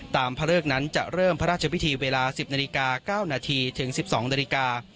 ตามพระเลิกนั้นจะเริ่มพระราชพิธีเวลาสิบนาฬิกาเก้านาทีถึงสิบสองนาฬิกา